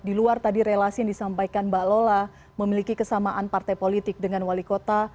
di luar tadi relasi yang disampaikan mbak lola memiliki kesamaan partai politik dengan wali kota